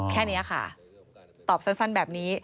แค่นี้ค่ะตอบสั้นแบบนี้